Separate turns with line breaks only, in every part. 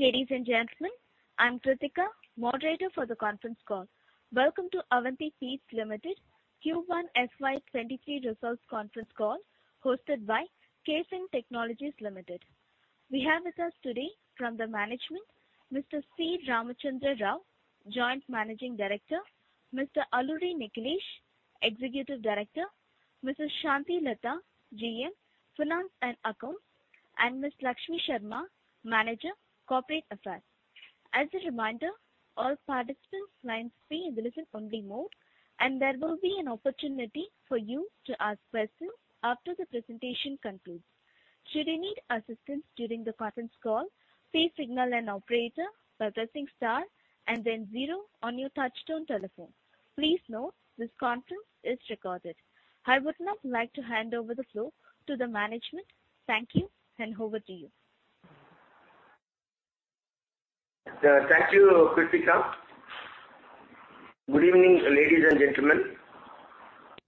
Evening, ladies and gentlemen. I'm Kritika, moderator for the conference call. Welcome to Avanti Feeds Limited Q1 FY23 results conference call, hosted by KFin Technologies Limited. We have with us today from the management, Mr. C. Ramachandra Rao, Joint Managing Director, Mr. Alluri Nikhilesh, Executive Director, Mrs. C. Santhilatha, GM, Finance and Accounts, and Miss Lakshmi Sharma, Manager, Corporate Affairs. As a reminder, all participants lines will be in listen-only mode, and there will be an opportunity for you to ask questions after the presentation concludes. Should you need assistance during the conference call, please signal an operator by pressing star and then zero on your touchtone telephone. Please note, this conference is recorded. I would now like to hand over the floor to the management. Thank you, and over to you.
Thank you, Kritika. Good evening, ladies and gentlemen.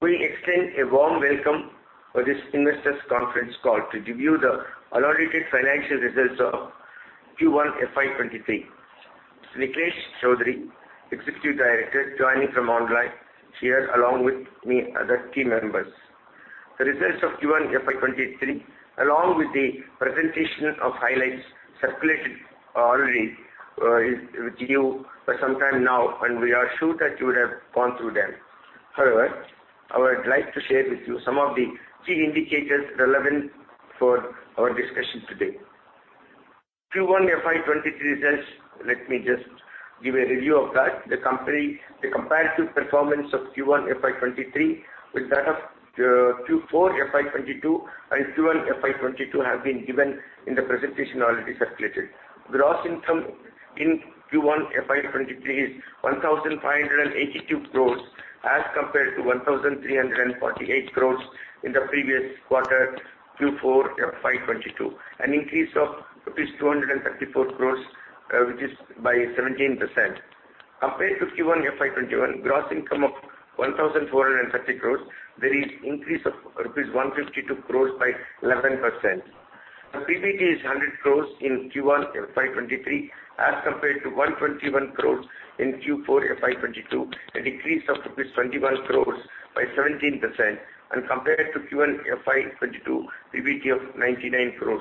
We extend a warm welcome for this investors conference call to give you the unaudited financial results of Q1 FY23. It's Alluri Nikhilesh, Executive Director, joining from online here, along with me, other team members. The results of Q1 FY23, along with the presentation of highlights, circulated already, with you for some time now, and we are sure that you would have gone through them. However, I would like to share with you some of the key indicators relevant for our discussion today. Q1 FY23 results, let me just give a review of that. The company, the comparative performance of Q1 FY23 with that of, Q4 FY22 and Q1 FY22, have been given in the presentation already circulated. Gross income in Q1 FY 2023 is 1,582 crore, as compared to 1,348 crore in the previous quarter, Q4 FY 2022, an increase of rupees 234 crore, which is by 17%. Compared to Q1 FY 2021, gross income of 1,430 crore, there is increase of rupees 152 crore by 11%. The PBT is 100 crore in Q1 FY 2023, as compared to 121 crore in Q4 FY 2022, a decrease of 21 crore by 17%. Compared to Q1 FY 2022, PBT of 99 crore,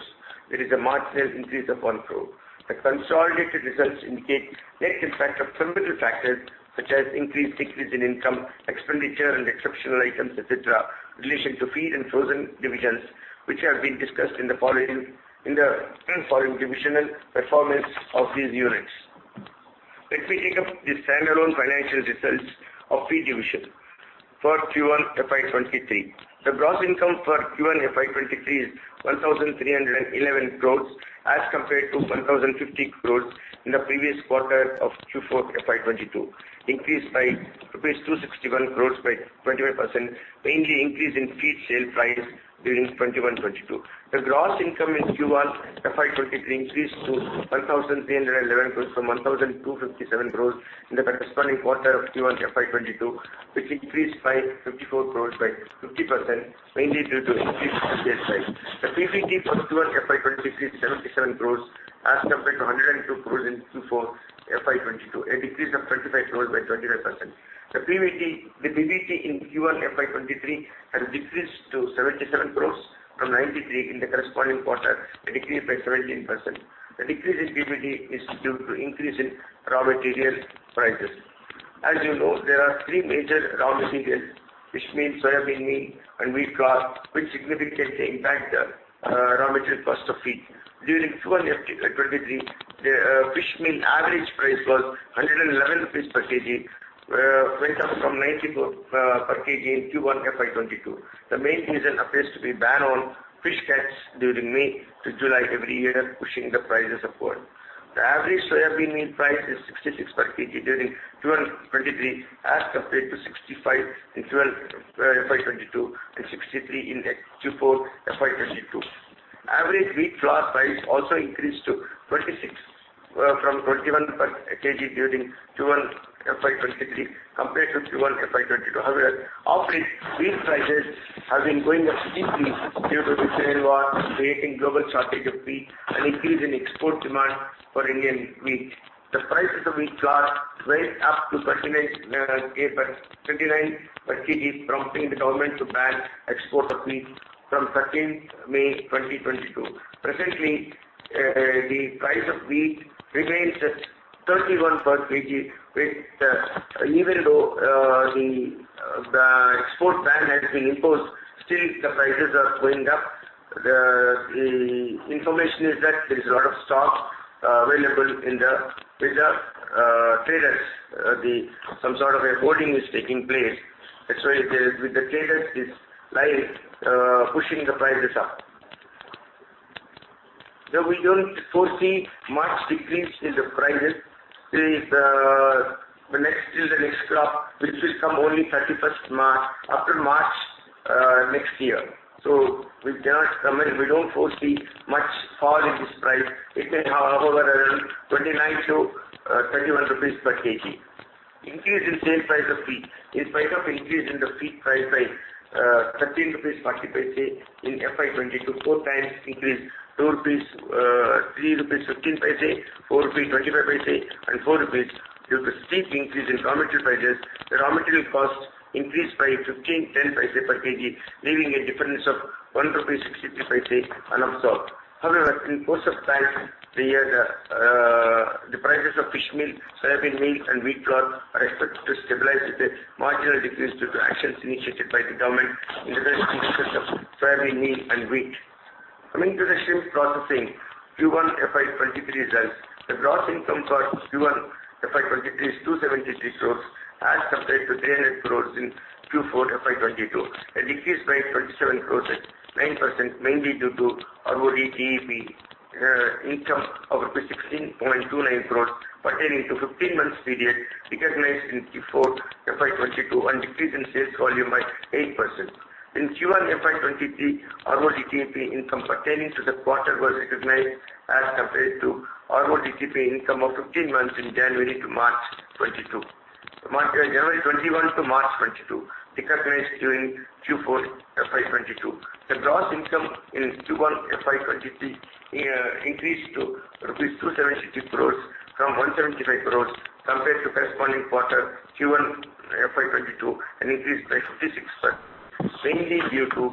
there is a marginal increase of 1 crore. The consolidated results indicate net impact of temporary factors, such as increase/decrease in income, expenditure and exceptional items, et cetera, in relation to feed and frozen divisions, which have been discussed in the following, in the following divisional performance of these units. Let me take up the standalone financial results of feed division for Q1 FY 2023. The gross income for Q1 FY 2023 is 1,311 crores, as compared to 1,050 crores in the previous quarter of Q4 FY 2022, increased by rupees 261 crores by 21%, mainly increase in feed sale price during 2021, 2022. The gross income in Q1 FY 2023 increased to 1,311 crore from 1,257 crore in the corresponding quarter of Q1 FY 2022, which increased by 54 crore by 50%, mainly due to increase in sales price. The PBT for Q1 FY 2023 is 77 crore as compared to 102 crore in Q4 FY 2022, a decrease of 25 crore by 25%. The PBT, the PBT in Q1 FY 2023 has decreased to 77 crore from 93 crore in the corresponding quarter, a decrease by 17%. The decrease in PBT is due to increase in raw material prices. As you know, there are three major raw materials, fish meal, soybean meal, and wheat straw, which significantly impact the raw material cost of feed. During Q1 FY23, the fish meal average price was 111 rupees per kg, went up from 94 per kg in Q1 FY22. The main reason appears to be ban on fish catch during May to July every year, pushing the prices upward. The average soybean meal price is 66 per kg during Q1 FY23, as compared to 65 in Q1 FY22 and 63 in Q4 FY22. Average wheat flour price also increased to 26 from 21 per kg during Q1 FY23, compared to Q1 FY22. However, of late, wheat prices have been going up significantly due to the Ukraine war, creating global shortage of wheat and increase in export demand for Indian wheat. The prices of wheat flour went up to 39 per kg, prompting the government to ban export of wheat from 13 May 2022. Presently, the price of wheat remains at 31 per kg, with even though the export ban has been imposed, still the prices are going up. The information is that there's a lot of stock available with the traders. Some sort of a hoarding is taking place. That's why the traders are like pushing the prices up. Now, we don't foresee much decrease in the prices till the next crop, which will come only 31 March, after March next year. So we cannot commit. We don't foresee much fall in this price. It can, however, around 29-31 rupees per kg. Increase in sale price of feed. In spite of increase in the feed price by 13.40 rupees in FY 2022, four times increase, 2 rupees, 3.15 rupees, 4.25 rupees, and 4 rupees due to steep increase in raw material prices, the raw material cost increased by 15.10 per kg, leaving a difference of 1.63 rupees unabsorbed. However, in course of time, the prices of fish meal, soybean meal, and wheat bran are expected to stabilize with a marginal decrease due to actions initiated by the government in the interest of soybean meal and wheat. Coming to the shrimp processing Q1 FY23 results, the gross income for Q1 FY23 is 273 crore as compared to 300 crore in Q4 FY22, a decrease by 27%, 9%, mainly due to RoDTEP income of 16.29 crore, pertaining to 15 months period, recognized in Q4 FY22, and decrease in sales volume by 8%. In Q1 FY23, RoDTEP income pertaining to the quarter was recognized as compared to RoDTEP income of 15 months in January to March 2022. January 2021 to March 2022, recognized during Q4 FY22. The gross income in Q1 FY 2023 increased to rupees 273 crores from 175 crores compared to corresponding quarter Q1 FY 2022, an increase by 56%, mainly due to,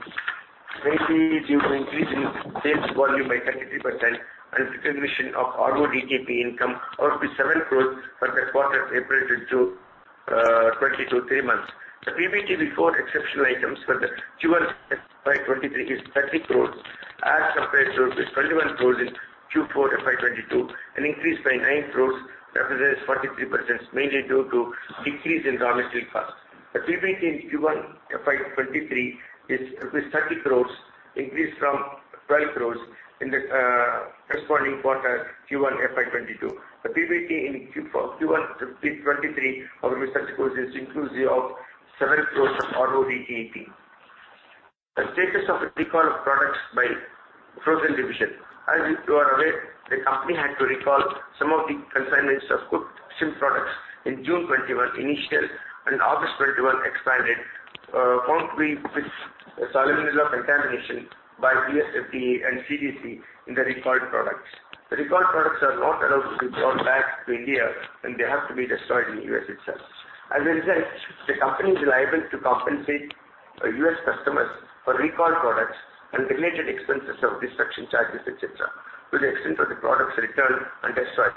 mainly due to increase in sales volume by 33% and recognition of RoDTEP income of 7 crores for the quarter April to 2022, three months. The PBT before exceptional items for the Q1 FY 2023 is 30 crores as compared to 21 crores in Q4 FY 2022, an increase by 9 crores, represents 43%, mainly due to decrease in raw material costs. The PBT in Q1 FY 2023 is 30 crores, increased from 12 crores in the corresponding quarter, Q1 FY 2022. The PBT in Q4-- Q1 FY 2023, however, INR 30 crores, is inclusive of INR 7 crores from RoDTEP. The status of recall of products by frozen division. As you are aware, the company had to recall some of the consignments of cooked shrimp products in June 2021 initial, and August 2021 expanded, found to be with Salmonella contamination by USFDA and CDC in the recalled products. The recalled products are not allowed to be brought back to India, and they have to be destroyed in the US itself. As a result, the company is liable to compensate US customers for recalled products and related expenses of destruction charges, et cetera, to the extent of the products returned and destroyed.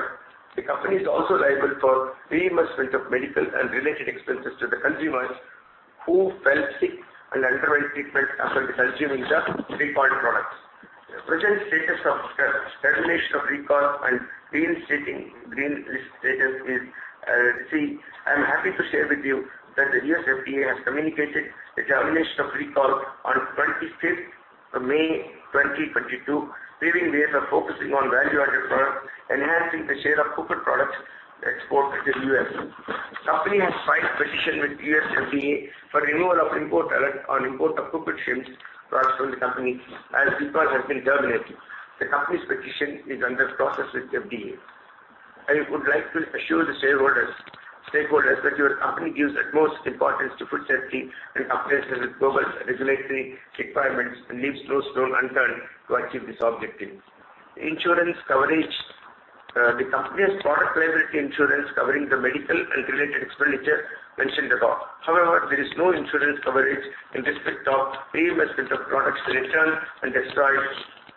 The company is also liable for reimbursement of medical and related expenses to the consumers who fell sick and underwent treatment after consuming the recalled products. The present status of the termination of recall and green stating, green list status is, see, I'm happy to share with you that the USFDA has communicated the termination of recall on 25 May 2022, leaving ways of focusing on value-added products, enhancing the share of cooked products exported to the US. Company has filed petition with USFDA for renewal of import alert on import of cooked shrimp products from the company, as recall has been terminated. The company's petition is under process with FDA. I would like to assure the shareholders, stakeholders, that your company gives utmost importance to food safety and complies with global regulatory requirements and leaves no stone unturned to achieve this objective. Insurance coverage, the company has product liability insurance covering the medical and related expenditure mentioned above. However, there is no insurance coverage in respect of reimbursement of products returned and destroyed,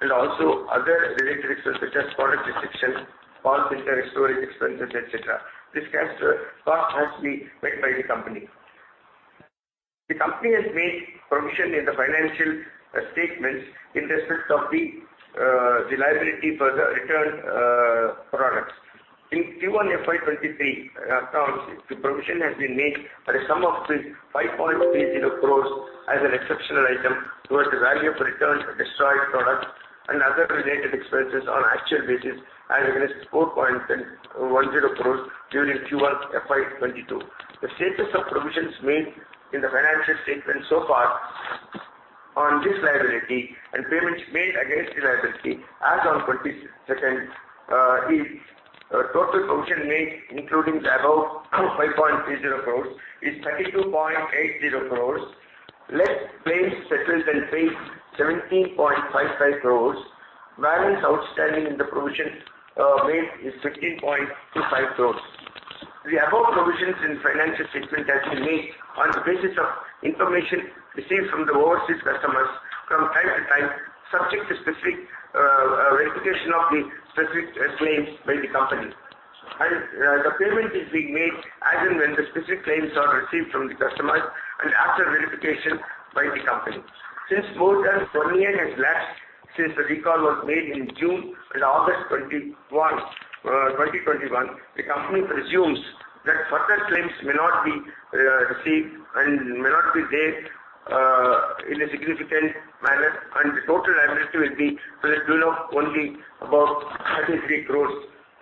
and also other related expenses, such as product destruction, cold storage expenses, et cetera. This cost has to be met by the company. The company has made provision in the financial statements in respect of the liability for the returned products. In Q1 FY23 accounts, the provision has been made for a sum of 5.30 crores as an exceptional item towards the value of returned or destroyed products and other related expenses on actual basis, and against 4.10 crores during Q1 FY22. The status of provisions made in the financial statement so far on this liability and payments made against the liability as on 22nd is total provision made, including the above 5.30 crores, 32.80 crores, less claims settled and paid 17.55 crores. Balance outstanding in the provision made is 15.25 crores. The above provisions in financial statement has been made on the basis of information received from the overseas customers from time to time, subject to specific verification of the specific claims by the company. And, the payment is being made as and when the specific claims are received from the customers and after verification by the company. Since more than one year has lapsed since the recall was made in June and August 2021, the company presumes that further claims may not be received and may not be there in a significant manner, and the total liability will be to the tune of only about 33 crores,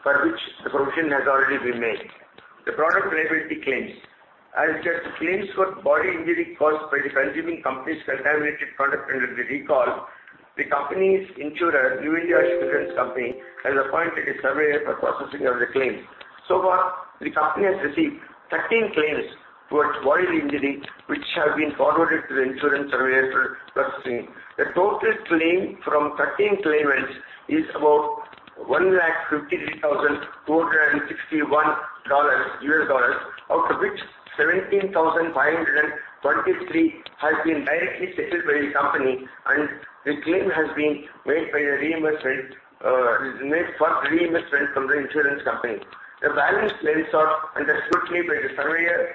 for which the provision has already been made. The product liability claims. As per the claims for body injury caused by consuming the company's contaminated product under the recall, the company's insurer, New India Assurance Company, has appointed a surveyor for processing of the claim. So far, the company has received 13 claims towards body injury, which have been forwarded to the insurance surveyor for processing. The total claim from 13 claimants is about $153,261, out of which $17,523 has been directly settled by the company, and the claim has been made by a reimbursement, made for reimbursement from the insurance company. The balance claims are under scrutiny by the surveyor,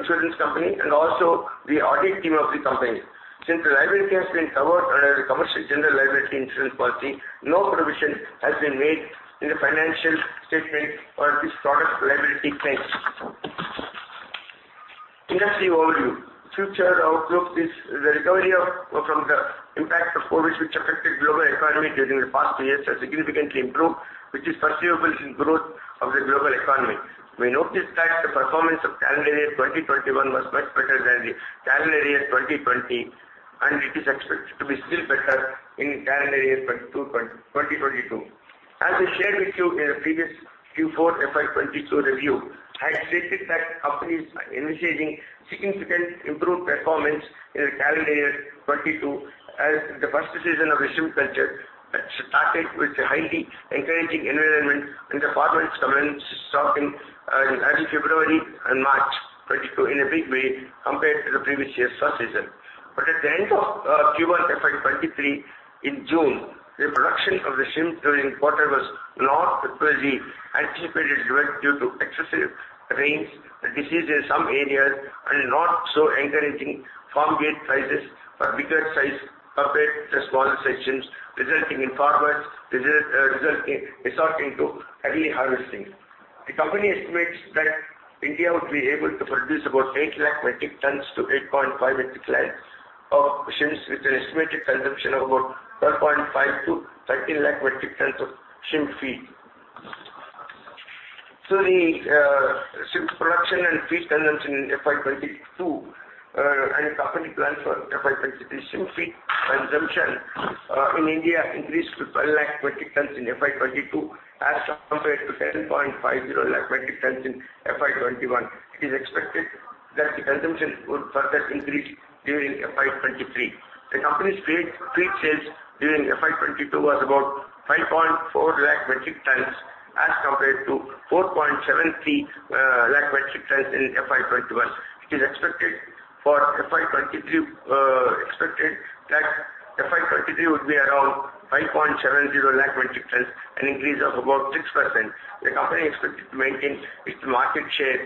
insurance company, and also the audit team of the company. Since the liability has been covered under the Commercial General Liability Insurance policy, no provision has been made in the financial statement for this product liability claim. Industry overview. Future outlook is the recovery of, from the impact of COVID, which affected global economy during the past two years, has significantly improved, which is perceivable in growth of the global economy. We notice that the performance of calendar year 2021 was much better than the calendar year 2020, and it is expected to be still better in calendar year 2022. As I shared with you in the previous Q4 FY22 review, I had stated that company is envisaging significant improved performance in the calendar year 2022, as the first season of the shrimp culture started with a highly encouraging environment, and the farmers commenced stocking in early February and March 2022 in a big way compared to the previous year's first season. But at the end of Q1 FY 2023, in June, the production of the shrimp during quarter was not as anticipated due to excessive rains, the disease in some areas, and not so encouraging farm gate prices for bigger size compared to smaller sections, resulting in farmers resorting to early harvesting. The company estimates that India would be able to produce about 800,000 metric tons to 850,000 metric tons of shrimps, with an estimated consumption of about 1,250,000-1,300,000 metric tons of shrimp feed. So the shrimp production and feed consumption in FY 2022, and the company plans for FY 2023. Shrimp feed consumption in India increased to 1,200,000 metric tons in FY 2022, as compared to 1,050,000 metric tons in FY 2021. It is expected that the consumption would further increase during FY 2023. The company's feed sales during FY 2022 was about 5.4 lakh metric tons as compared to 4.73 lakh metric tons in FY 2021. It is expected for FY 2023, expected that FY 2023 would be around 5.70 lakh metric tons, an increase of about 6%. The company expected to maintain its market share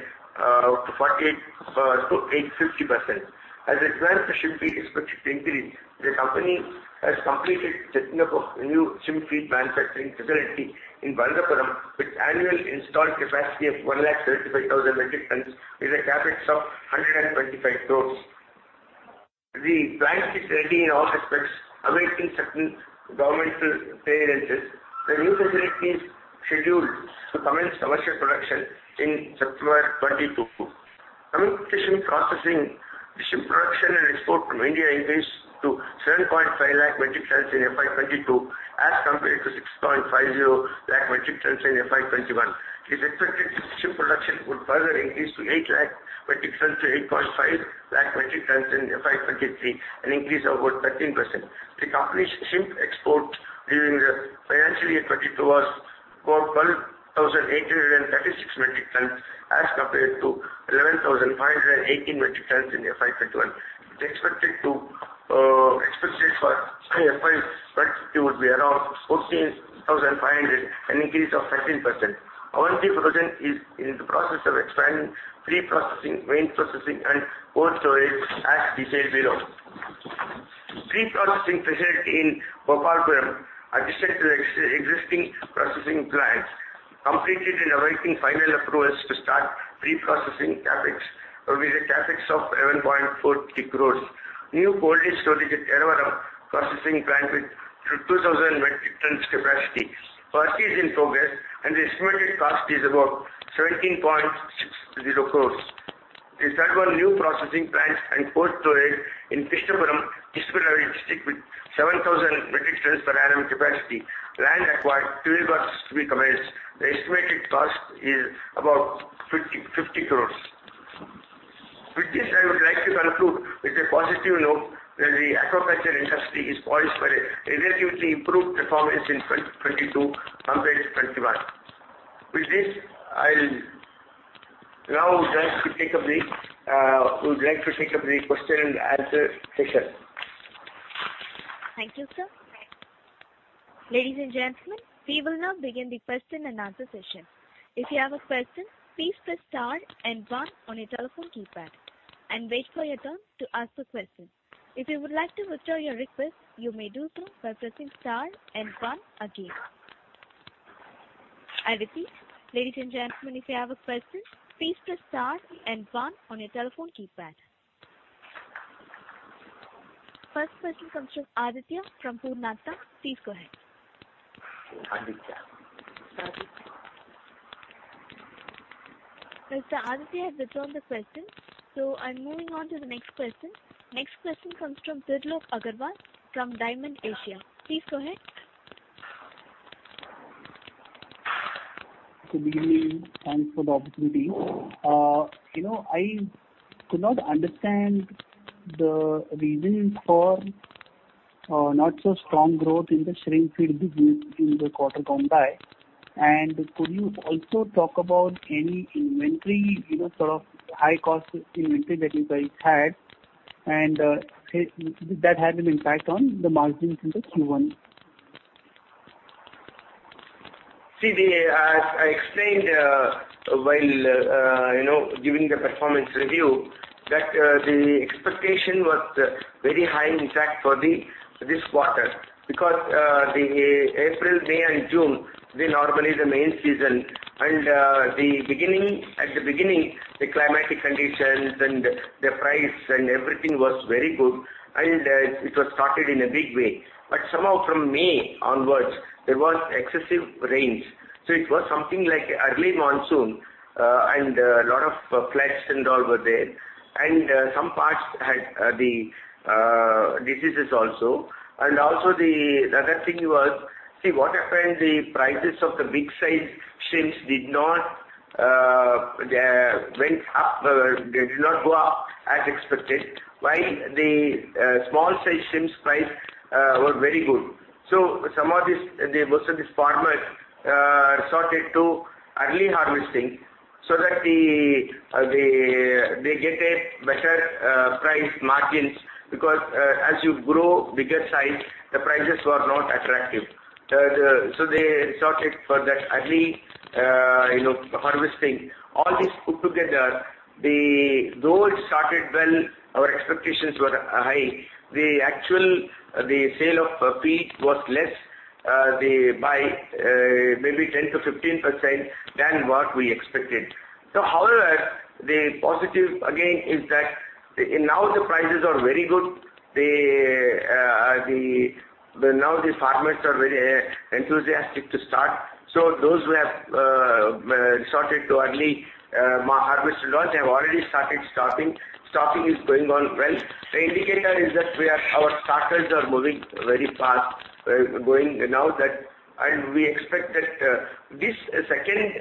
to 48-50%. As the demand for shrimp feed is expected to increase, the company has completed setting up a new shrimp feed manufacturing facility in Bandapuram, with annual installed capacity of 1,35,000 metric tons, with a CapEx of 125 crore. The plant is ready in all aspects, awaiting certain governmental clearances. The new facility is scheduled to commence commercial production in September 2022. Coming to shrimp processing, the shrimp production and export from India increased to 750,000 metric tons in FY 2022, as compared to 650,000 metric tons in FY 2021. It is expected the shrimp production would further increase to 800,000-850,000 metric tons in FY 2023, an increase of about 13%. The company's shrimp export during the financial year 2022 was about 12,836 metric tons as compared to 11,518 metric tons in FY 2021. It is expected for FY 2023 would be around 14,500, an increase of 13%. Avanti Frozen Foods Private Limited is in the process of expanding pre-processing, main processing, and cold storage as detailed below. Pre-processing facility in Gopalapuram, addition to the existing processing plant, completed and awaiting final approvals to start pre-processing CapEx, with a CapEx of 11.43 crores. New cold storage at Yerravaram processing plant with 2,000 metric tons capacity. Work is in progress, and the estimated cost is about 17.60 crores. The third one, new processing plant and cold storage in Krishnapuram with 7,000 metric tons per annum capacity. Land acquired, civil works to be commenced. The estimated cost is about 50 crores. With this, I would like to conclude with a positive note that the aquaculture industry is poised for a relatively improved performance in 2022 compared to 2021. With this, I'll now like to take up the, would like to take up the question and answer session.
Thank you, sir. Ladies and gentlemen, we will now begin the question and answer session. If you have a question, please press star and one on your telephone keypad and wait for your turn to ask a question. If you would like to withdraw your request, you may do so by pressing star and one again. I repeat, ladies and gentlemen, if you have a question, please press star and one on your telephone keypad.... First question comes from Aditya from Purnartha. Please go ahead.
Aditya.
Mr. Aditya has withdrawn the question, so I'm moving on to the next question. Next question comes from Trilok Agarwal from Dymon Asia Capital. Please go ahead.
Good evening, thanks for the opportunity. You know, I could not understand the reasons for not so strong growth in the shrimp feed business in the quarter gone by. And could you also talk about any inventory, you know, sort of high-cost inventory that you guys had, and did that have an impact on the margins in the Q1?
See, I explained, while you know, giving the performance review, that the expectation was very high, in fact, for this quarter, because the April, May, and June, they normally the main season, and at the beginning, the climatic conditions and the price and everything was very good, and it was started in a big way. But somehow from May onwards, there was excessive rains. So it was something like early monsoon, and a lot of floods and all were there, and some parts had diseases also. And also the another thing was... See, what happened, the prices of the big size shrimps did not, they went up, they did not go up as expected, while the small size shrimps price were very good. So some of these, the most of these farmers resorted to early harvesting so that the, the, they get a better price margins, because, as you grow bigger size, the prices were not attractive. So they resorted for that early, you know, harvesting. All this put together, though it started well, our expectations were high. The actual sale of feed was less by maybe 10%-15% than what we expected. So however, the positive again, is that now the prices are very good. Now the farmers are very enthusiastic to start. So those who have resorted to early harvest loss, have already started stocking. Stocking is going on well. The indicator is that we are, our starters are moving very fast, going now that, and we expect that, this second,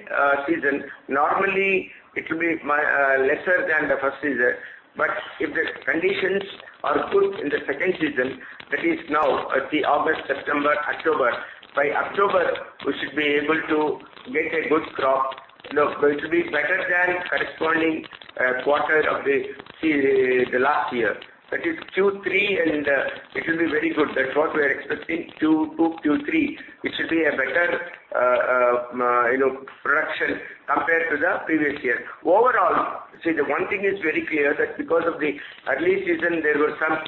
season, normally it will be, lesser than the first season. But if the conditions are good in the second season, that is now, the August, September, October. By October, we should be able to make a good crop. You know, it should be better than corresponding, quarter of the last year. That is Q3, and, it will be very good. That's what we are expecting, Q2, Q3. It should be a better, you know, production compared to the previous year. Overall, see, the one thing is very clear, that because of the early season, there were some,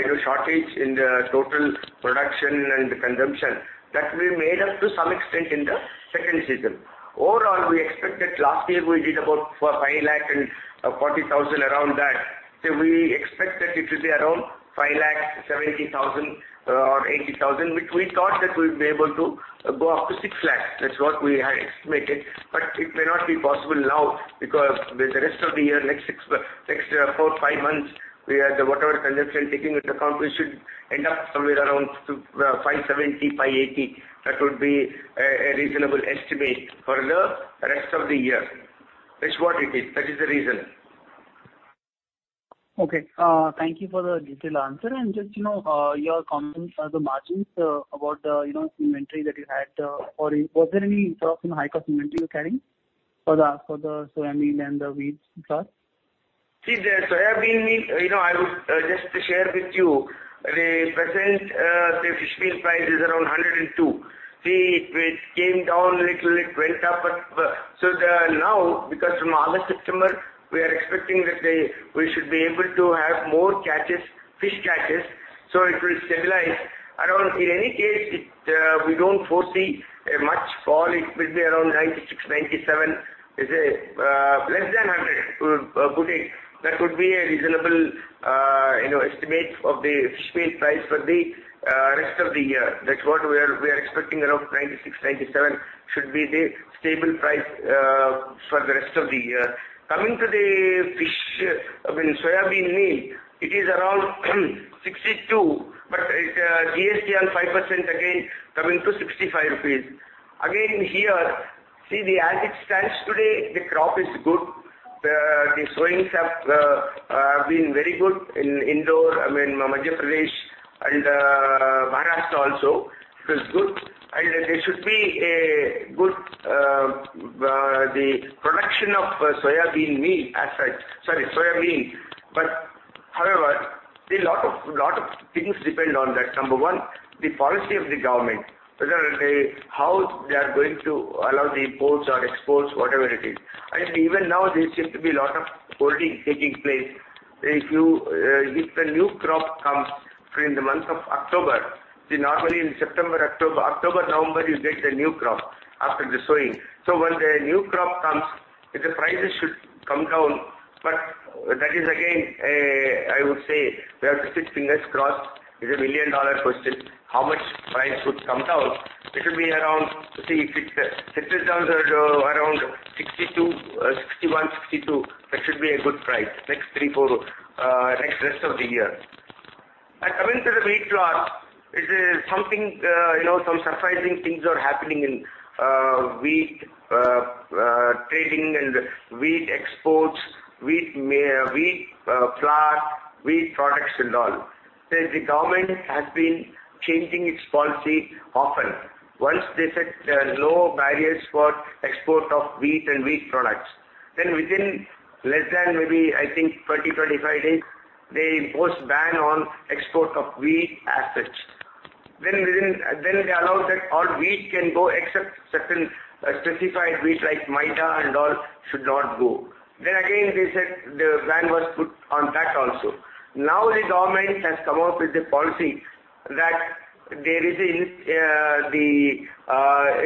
you know, shortage in the total production and consumption that we made up to some extent in the second season. Overall, we expect that last year we did about 4,40,000, around that. We expect that it will be around 5,70,000 or 5,80,000, which we thought that we'd be able to go up to 6,00,000. That's what we had estimated, but it may not be possible now, because with the rest of the year, next six, next four, five months, we are the... Whatever consumption taking into account, we should end up somewhere around 5,70,000, 5,80,000. That would be a reasonable estimate for the rest of the year. That's what it is. That is the reason.
Okay, thank you for the detailed answer. And just, you know, your comments on the margins, about the, you know, inventory that you had, or was there any sort of high-cost inventory you were carrying for the soybean and the wheat plus?
See, the soybean meal, you know, I would just share with you, the present, say, fish meal price is around 102. See, it came down a little, it went up. Now, because from August, September, we are expecting that we should be able to have more catches, fish catches, so it will stabilize. In any case, we don't foresee a much fall. It will be around 96-97, less than 100, putting. That would be a reasonable, you know, estimate of the fish meal price for the rest of the year. That's what we are, we are expecting around 96-97 should be the stable price for the rest of the year. Coming to the fish, I mean, soybean meal, it is around 62, but GST on 5% again, coming to 65 rupees. Here, see, as it stands today, the crop is good. The sowings have been very good in Indore, I mean, Madhya Pradesh and Maharashtra also, it is good. There should be a good production of soybean meal as such... Sorry, soybean. However, a lot of things depend on that. Number one, the policy of the government, whether they, how they are going to allow the imports or exports, whatever it is. Even now, there seem to be a lot of holding taking place. If a new crop comes in the month of October, see, normally in September, October, October, November, you get a new crop... after the sowing. When the new crop comes, the prices should come down, but that is, again, I would say, we have to keep fingers crossed. It's a million-dollar question, how much price would come down? It will be around, see, if it comes around 61, 62, that should be a good price, next three, four, next rest of the year. Coming to the wheat flour, it is something, you know, some surprising things are happening in wheat trading and wheat exports, wheat, ma-- wheat flour, wheat products and all. The government has been changing its policy often. Once they set low barriers for export of wheat and wheat products, then within less than maybe, I think, 20, 25 days, they imposed ban on export of wheat as such. Then they allowed that all wheat can go except certain specified wheat, like, maida and all should not go. Then again, they said the ban was put on that also. Now, the government has come out with a policy that there is an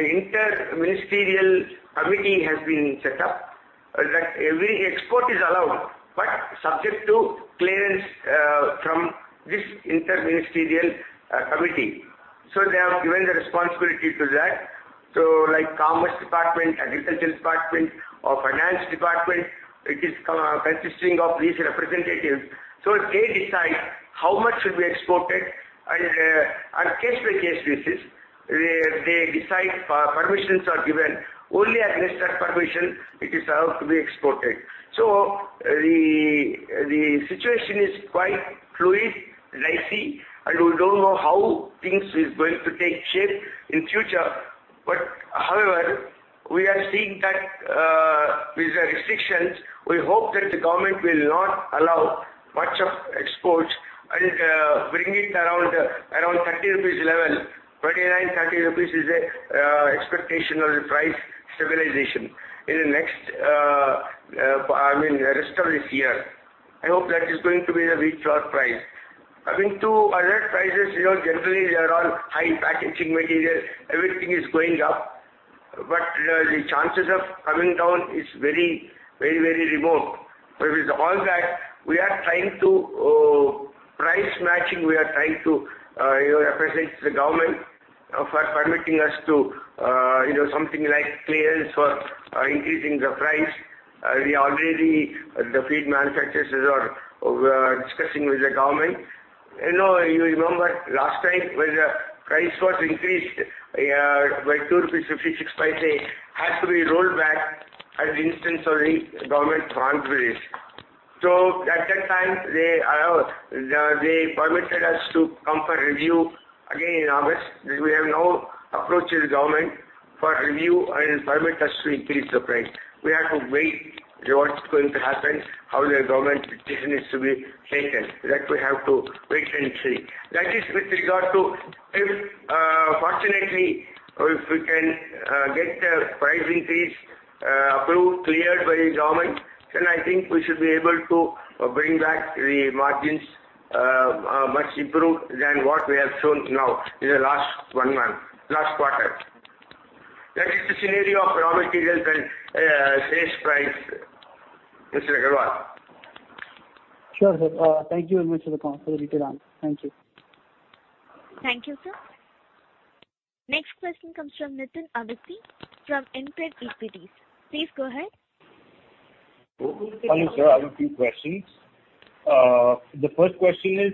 Interministerial Committee has been set up, that every export is allowed, but subject to clearance from this Interministerial Committee. So they have given the responsibility to that. So, like, Commerce Department, Agriculture Department, or Finance Department, it is consisting of these representatives. So they decide how much should be exported, and on case-by-case basis, they decide permissions are given. Only unless that permission, it is allowed to be exported. So the situation is quite fluid, dicey, and we don't know how things is going to take shape in future. However, we are seeing that, with the restrictions, we hope that the government will not allow much of exports and, bring it around, around 30 rupees level. 29 rupees, 30 rupees is a, expectation of the price stabilization in the next, I mean, rest of this year. I hope that is going to be the wheat flour price. Coming to other prices, you know, generally, they are all high packaging material, everything is going up, but, the chances of coming down is very, very, very remote. With all that, we are trying to, price matching, we are trying to, you know, appreciate the government for permitting us to, you know, something like clearance for, increasing the price. We already, the feed manufacturers are, discussing with the government. You know, you remember last time when the price was increased by 2.56 rupees, had to be rolled back at the instance of the Government of Andhra Pradesh. So at that time, they allowed, they permitted us to come for review again in August. We have now approached the government for review and permit us to increase the price. We have to wait, what's going to happen, how the government decision is to be taken. That we have to wait and see. That is with regard to if, fortunately, if we can get a price increase approved, cleared by the government, then I think we should be able to bring back the margins much improved than what we have shown now in the last one month, last quarter. That is the scenario of raw materials and sales price, Mr. Agarwal.
Sure, sir. Thank you very much for the detailed answer. Thank you.
Thank you, sir. Next question comes from Nitin Awasthi from InCred Equities. Please go ahead.
Hello, sir, I have a few questions. The first question is,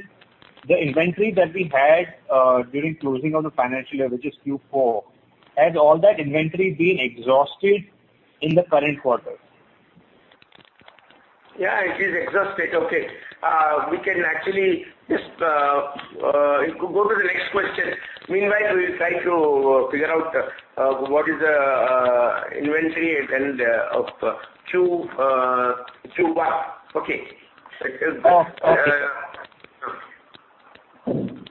the inventory that we had during closing of the financial year, which is Q4, has all that inventory been exhausted in the current quarter?
Yeah, it is exhausted. Okay. We can actually just go to the next question. Meanwhile, we'll try to figure out what is the inventory at the end of Q1. Okay.
Oh, okay.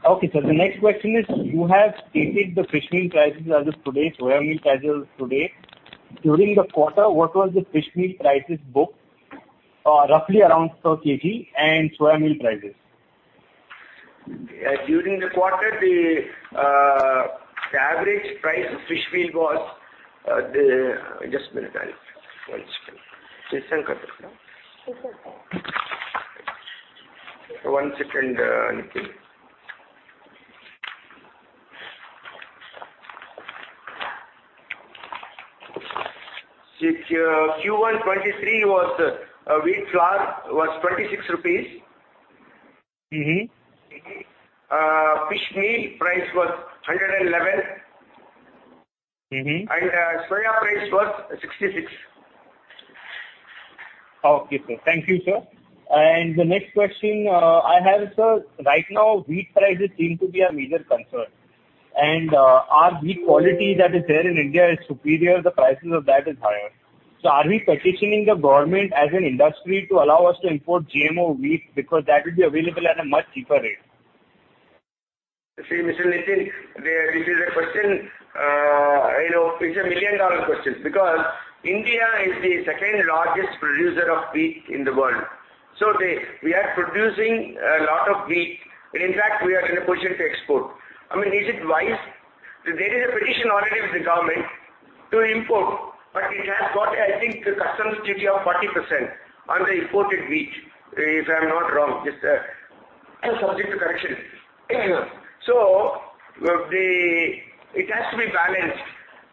Okay, sir, the next question is, you have stated the fish meal prices as of today, soya meal prices today. During the quarter, what was the fish meal prices booked, roughly around per kg, and soya meal prices?
During the quarter, the average price of Fish Meal was. Just a minute, I'll one second. One second, Nitin. Q1 2023, Wheat Flour was 26 rupees.
Mm-hmm.
Fish Meal price was $111.
Mm-hmm.
Soya price was 66.
Okay, sir. Thank you, sir. And the next question I have, sir, right now, wheat prices seem to be a major concern, and our wheat quality that is there in India is superior, the prices of that is higher. So are we petitioning the government as an industry to allow us to import GMO wheat? Because that will be available at a much cheaper rate.
See, Mr. Nitin, this is a question, you know, it's a million-dollar question, because India is the second largest producer of wheat in the world. So they, we are producing a lot of wheat, and in fact, we are in a position to export. I mean, is it wise? There is a petition already with the government to import, but it has got, I think, the customs duty of 40% on the imported wheat, if I'm not wrong, it's subject to correction. So, it has to be balanced.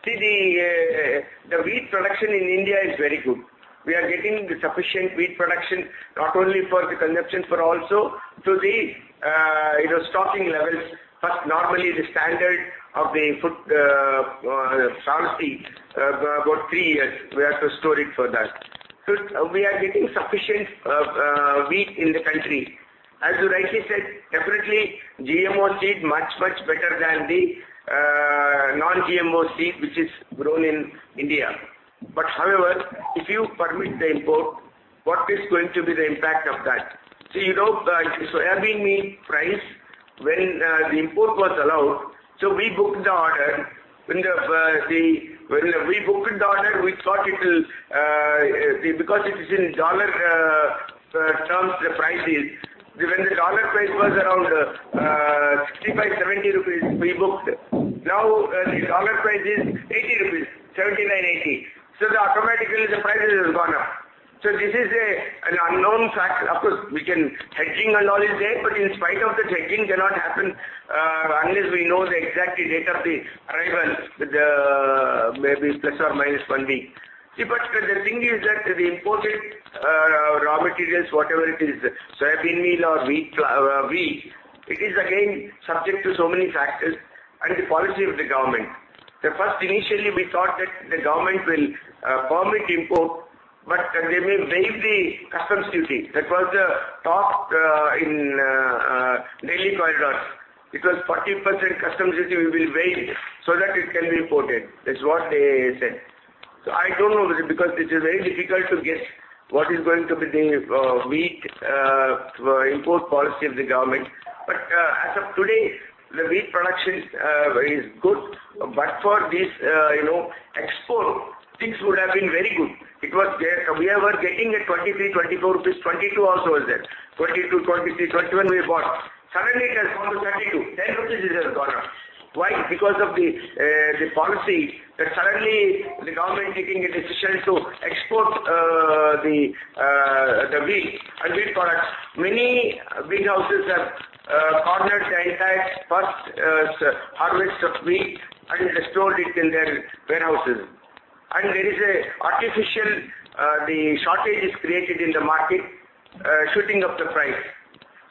See, the wheat production in India is very good. We are getting the sufficient wheat production, not only for the consumption, but also to the, you know, stocking levels. But normally, the standard of the food policy, about three years, we have to store it for that. So we are getting sufficient wheat in the country. As you rightly said, definitely, GMO seed much, much better than the non-GMO seed, which is grown in India. But however, if you permit the import, what is going to be the impact of that? So, you know, so having wheat price when the import was allowed, so we booked the order. When we booked the order, we thought it will because it is in dollar terms, the price is. When the dollar price was around 65-70 rupees, we booked. Now, the dollar price is 79-80 INR. So automatically, the prices have gone up. So this is a, an unknown factor. Of course, we can hedging and all is there, but in spite of the hedging, cannot happen unless we know the exact date of the arrival, with the maybe plus or minus one week. See, but the thing is that the imported raw materials, whatever it is, soybean meal or wheat, wheat, it is again subject to so many factors and the policy of the government. Initially, we thought that the government will permit import, but they may raise the customs duty. That was the talk in daily corridors, because 40% customs duty will be raised so that it can be imported. That's what they said. So I don't know, because it is very difficult to guess what is going to be the wheat import policy of the government. But as of today, the wheat production is good. But for this, you know, export, things would have been very good. It was there, we were getting 23-24 rupees, 22 also was there. 22, 23, 21 we bought. Suddenly, it has come to 22. 10 rupees it has gone up. Why? Because of the policy that suddenly the government taking a decision to export the wheat and wheat products. Many wheat houses have cornered the entire first harvest of wheat and stored it in their warehouses. And there is an artificial shortage created in the market, shooting up the price.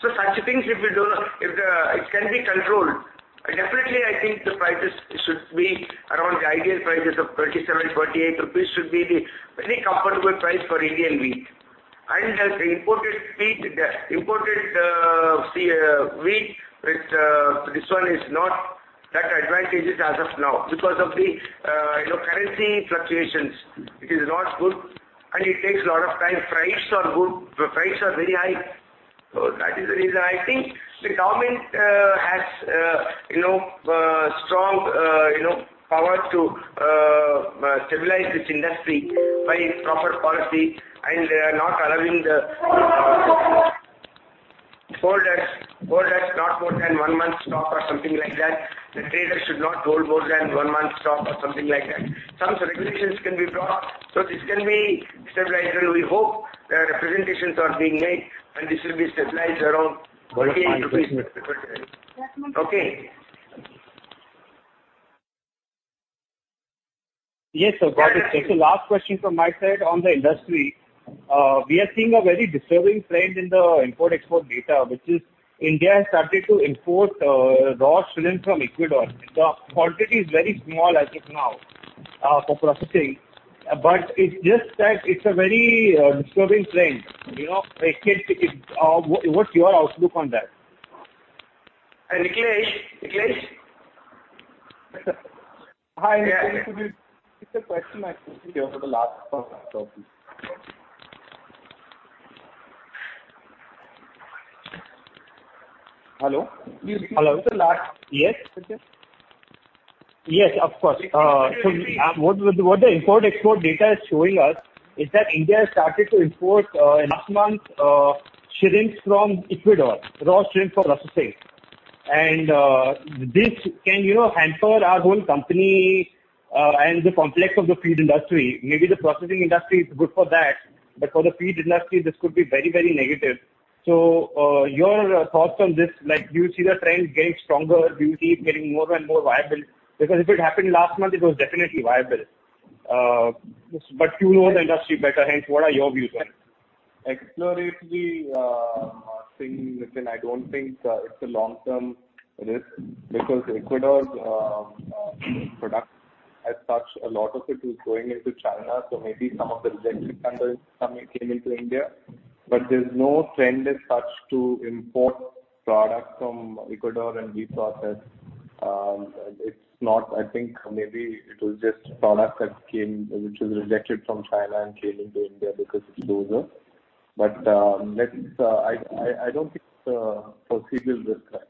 Such things, if we do not, if it can be controlled, definitely, I think the prices should be around the ideal prices of 27, 28 rupees should be the very comfortable price for Indian wheat. The imported wheat, the imported wheat, with this one is not that advantageous as of now, because of the, you know, currency fluctuations. It is not good, and it takes a lot of time. Prices are good, the prices are very high. That is the reason. I think the government has, you know, strong, you know, power to stabilize this industry by proper policy and not allowing the holders, holders, not more than one month stock or something like that. The trader should not hold more than one month stock or something like that. Some regulations can be brought, so this can be stabilized, and we hope the representations are being made, and this will be stabilized around 28. Okay.
Yes, sir. Got it. So last question from my side on the industry. We are seeing a very disturbing trend in the import-export data, which is India has started to import raw shrimps from Ecuador. The quantity is very small as of now for processing, but it's just that it's a very disturbing trend. You know, what's your outlook on that?
Nikhilesh, Nikhilesh?
Hi, Nikhilesh. It's a question I asked you for the last part. Hello?
Hello.
The last... Yes. Yes, of course. So what the import-export data is showing us is that India has started to import, in last month, shrimps from Ecuador, raw shrimps for processing. And, this can, you know, hamper our whole company, and the complex of the feed industry. Maybe the processing industry is good for that, but for the feed industry, this could be very, very negative. So, your thoughts on this, like, do you see the trend getting stronger? Do you see it getting more and more viable? Because if it happened last month, it was definitely viable. But you know the industry better, hence, what are your views on it?
Alternatively, from within, I don't think it's a long-term risk, because Ecuador's product, as such, a lot of it is going into China, so maybe some of the rejected cargo came into India. But there's no trend as such to import products from Ecuador and reprocess. It's not, I think, maybe it was just product that came, which was rejected from China and came into India because it's closer. But, let's, I don't think, foreseeable risk, right?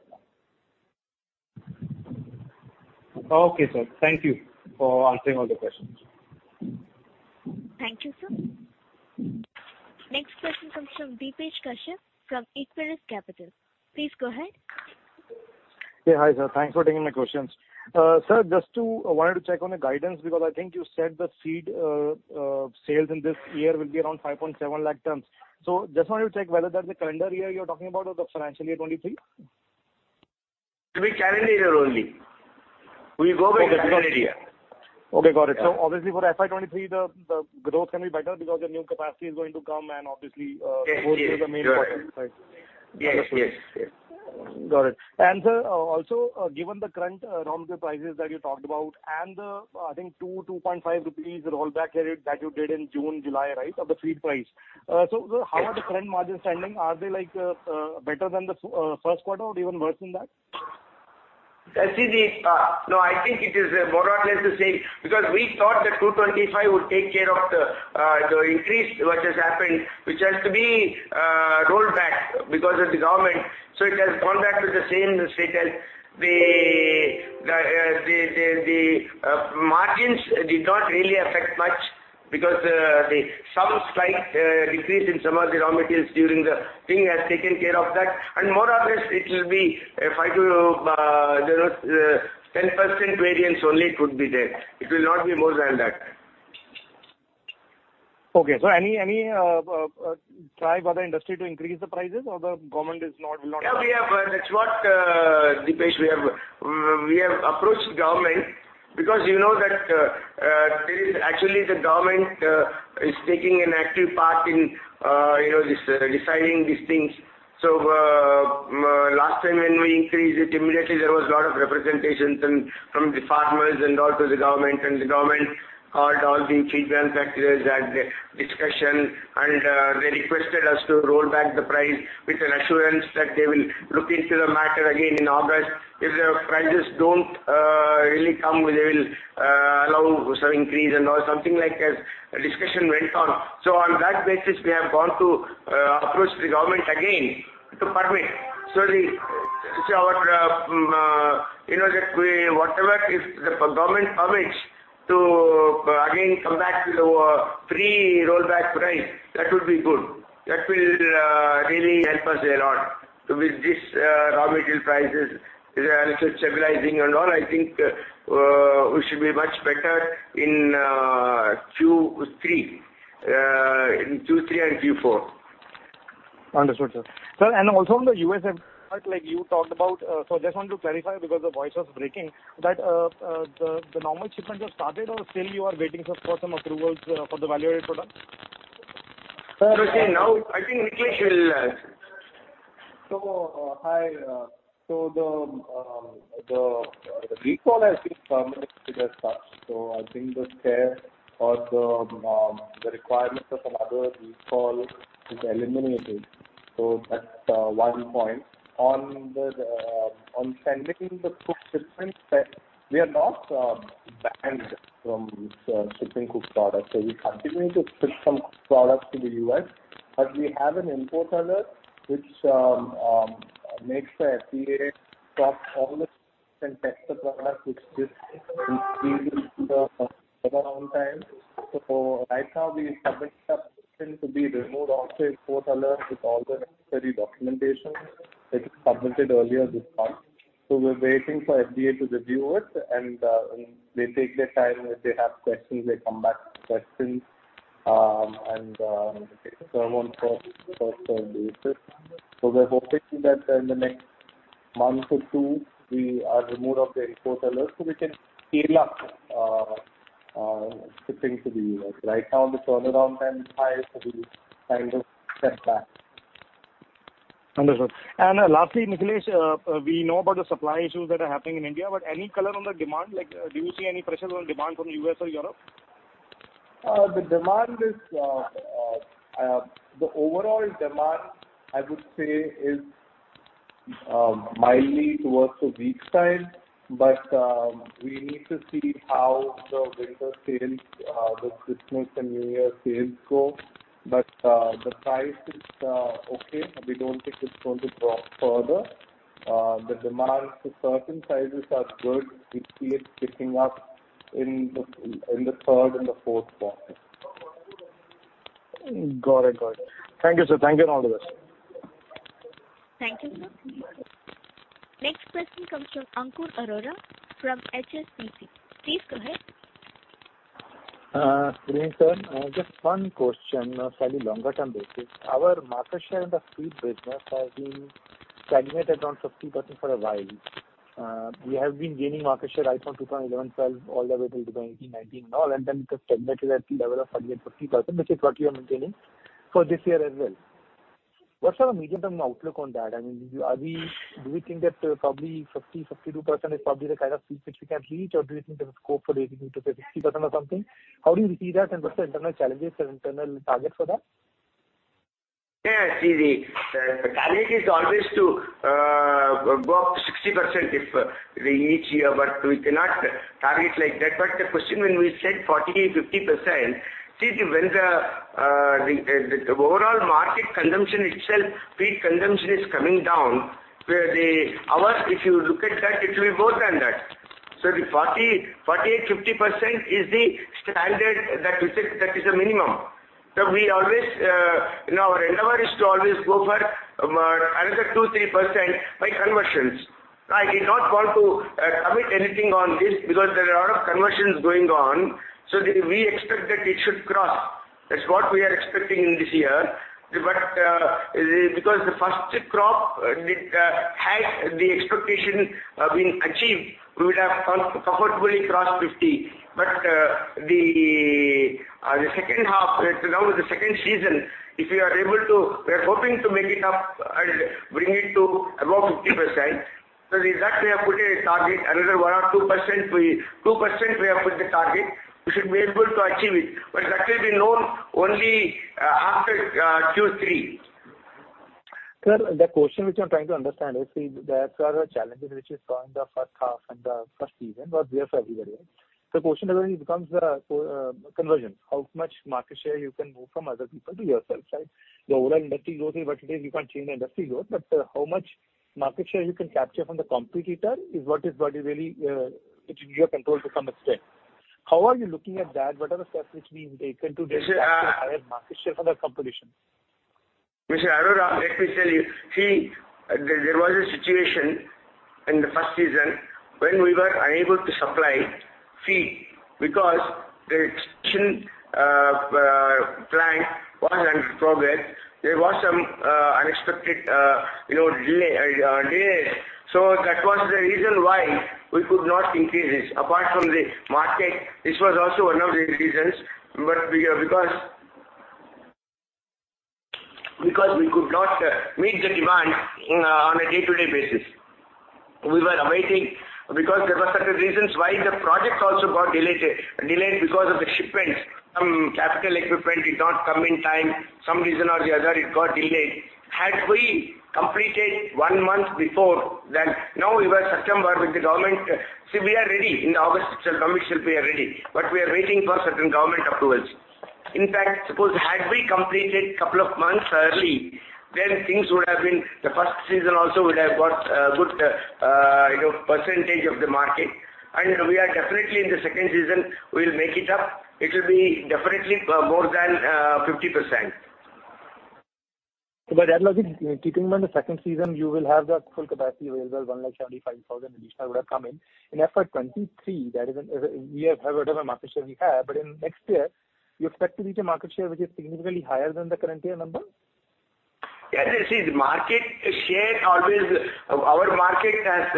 ...Okay, sir. Thank you for answering all the questions.
Thank you, sir. Next question comes from Depesh Kashyap from Equirus Capital. Please go ahead.
Hey, hi, sir. Thanks for taking my questions. Sir, just to, I wanted to check on the guidance, because I think you said the feed sales in this year will be around 570,000 tons. So just wanted to check whether that's the calendar year you're talking about or the financial year 2023?
It'll be calendar year only. We go by the calendar year.
Okay, got it. So obviously, for FY 2023, the growth can be better because your new capacity is going to come, and obviously,
Yes, yes.
The growth is the main focus, right?
Yes, yes, yes.
Got it. And sir, also, given the current raw material prices that you talked about, and the, I think 2.5 rupees rollback that you did in June, July, right, of the feed price. So sir, how are the current margins standing? Are they, like, better than the first quarter or even worse than that?
No, I think it is more or less the same, because we thought the 2.5 would take care of the increase which has happened, which has to be rolled back because of the government. So it has gone back to the same status. The margins did not really affect much because some slight decrease in some of the raw materials during the thing has taken care of that, and more or less, it will be, if I do, you know, 10% variance only could be there. It will not be more than that.
Okay, so any try by the industry to increase the prices or the government is not, will not-
Yeah, we have, that's what, Depesh, we have, we have approached the government because you know that, there is actually the government is taking an active part in, you know, this, deciding these things. So, last time when we increased it, immediately there was a lot of representations from, from the farmers and all to the government, and the government called all the feed mill manufacturers at the discussion, and, they requested us to roll back the price with an assurance that they will look into the matter again in August. If the prices don't really come, they will allow some increase and all, something like a discussion went on. So on that basis, we have gone to approach the government again to permit. So our, you know, that we, whatever, if the government permits to again come back to the pre-rollback price, that would be good. That will really help us a lot. So with this, raw material prices stabilizing and all, I think we should be much better in Q3, in Q3 and Q4.
Understood, sir. Sir, and also on the U.S., like, you talked about, so just want to clarify, because the voice was breaking, that the normal shipments have started or still you are waiting for some approvals for the value-added products?
See, now, I think Nikhilesh will add.
So, hi, so the recall has been permanently stopped. So I think the care or the requirement of another recall is eliminated. So that's one point. On the on sending the cooked shipments, we are not banned from shipping cooked products. So we continue to ship some products to the U.S., but we have an import alert, which makes the FDA stop all the test products, which just increase the turnaround time. So right now, we have requested to be removed off the import alert with all the necessary documentation that was submitted earlier this month. So we're waiting for FDA to review it, and they take their time. If they have questions, they come back with questions, and it's on first-come basis. So we're hoping that in the next month or two, we are removed of the Import Alert, so we can scale up shipping to the U.S. Right now, the turnaround time is high, so we kind of step back.
Understood. Lastly, Nikhilesh, we know about the supply issues that are happening in India, but any color on the demand? Like, do you see any pressures on demand from the U.S. or Europe?
The demand is the overall demand, I would say, is mildly towards the weak side, but we need to see how the winter sales, the Christmas and New Year sales go. But the price is okay. We don't think it's going to drop further. The demand for certain sizes are good. We see it picking up in the third and the fourth quarter.
Got it, got it. Thank you, sir. Thank you, and all the best.
Thank you, sir. Next question comes from Ankur Arora from HSBC. Please go ahead.
Good evening, sir. Just one question on a slightly longer term basis. Our market share in the feed business has been stagnated around 50% for a while. We have been gaining market share right from 2011, 2012, all the way till 2019 now, and then it has stagnated at the level of 40%-50%, which is what you are maintaining for this year as well. What's our medium-term outlook on that? I mean, are we- do we think that probably 50, 52% is probably the kind of peak which we can reach, or do you think there's scope for raising it to say, 60% or something? How do you see that, and what's the internal challenges or internal targets for that?
Yeah, see, the target is always to go up to 60% if we reach here, but we cannot target like that. But the question when we said 40, 50 percent, see, when the overall market consumption itself, feed consumption is coming down, where our, if you look at that, it will be more than that. So the 40, 48, 50 percent is the standard that we set, that is the minimum. So we always, our endeavor is to always go for another 2, 3 percent by conversions. I did not want to commit anything on this because there are a lot of conversions going on, so we expect that it should cross. That's what we are expecting in this year. But because the first crop had the expectation been achieved, we would have comfortably crossed 50. But the second half, now with the second season, if we are able to—we are hoping to make it up and bring it to above 50%. So the exact, we have put a target, another 1%-2%, two percent we have put the target, we should be able to achieve it, but that will be known only after Q3.
Sir, the question which I'm trying to understand is, the, there are challenges which you saw in the first half and the first season, but there for everybody. The question then becomes the, conversion, how much market share you can move from other people to yourself, right? The overall industry growth, but you can't change the industry growth, but, how much market share you can capture from the competitor is what is, what you really, it's in your control to some extent. How are you looking at that? What are the steps which being taken to get-
Mr. uh-
Higher market share from the competition?
Mr. Arora, let me tell you. See, there was a situation in the first season when we were unable to supply feed because the new plant was under progress. There were some unexpected, you know, delays. That was the reason why we could not increase this. Apart from the market, this was also one of the reasons, because we could not meet the demand on a day-to-day basis. We were awaiting, because there were certain reasons why the project also got delayed because of the shipments. Some capital equipment did not come in time, some reason or the other, it got delayed. Had we completed one month before, now we were certain with the government, see, we are ready. In August, commission, we are ready, but we are waiting for certain government approvals. In fact, suppose had we completed a couple of months early, then things would have been. The first season also would have got a good, you know, percentage of the market. And we are definitely in the second season; we will make it up. It will be definitely more than 50%.
By that logic, keeping on the second season, you will have the full capacity available, 175,000 additional would have come in. In FY 2023, that is, we have, whatever market share we have, but in next year, you expect to reach a market share which is significantly higher than the current year number?
Yes, you see, the market share always, our market has,